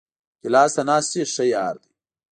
ګیلاس د ناستې ښه یار دی.